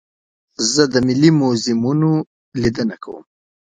زه د ملي موزیمونو لیدنه کوم.